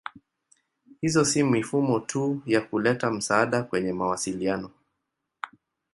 Hizo si mifumo tu ya kuleta msaada kwenye mawasiliano.